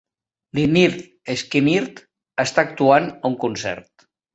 Lynyrd Skynyrd està actuant a un concert.